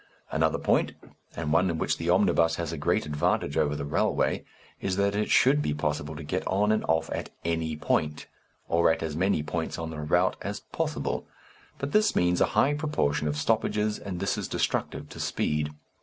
_ Another point and one in which the omnibus has a great advantage over the railway is that it should be possible to get on and off at any point, or at as many points on the route as possible. But this means a high proportion of stoppages, and this is destructive to speed.